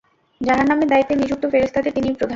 জাহান্নামের দায়িত্বে নিযুক্ত ফেরেশতাদের তিনিই প্রধান।